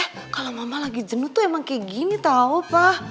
eh kalau mama lagi jenuh tuh emang kayak gini tau pak